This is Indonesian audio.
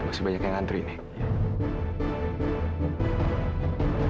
masih banyak yang ngantri nih